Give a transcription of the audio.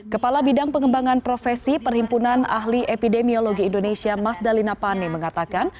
kepala bidang pengembangan profesi perhimpunan ahli epidemiologi indonesia mas dalina pane mengatakan